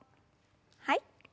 はい。